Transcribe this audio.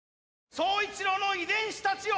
宗一郎の遺伝子たちよ！